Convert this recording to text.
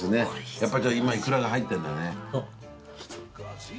やっぱりいくらが入ってるんだね。